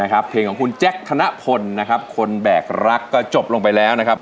คนนะครับคนแบกรักก็จบลงไปแล้วนะครับ